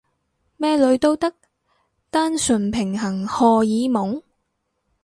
咩女都得？單純平衡荷爾蒙？